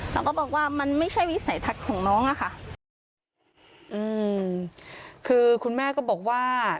เราก็บอกว่ามันไม่ใช่วิสัยทัศน์ของน้องอะค่ะอืมคือคุณแม่ก็บอกว่า